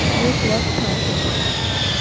ایک وقت تھا۔